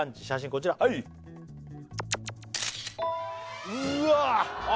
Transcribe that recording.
こちらはいうわあ！